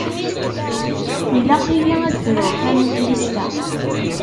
Yelaq-iyi ad fruƔ tamukrist-a.